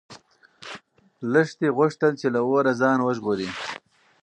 لښتې غوښتل چې له اوره ځان وژغوري.